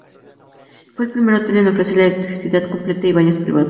Fue el primer hotel en ofrecer electricidad completa y baños privados.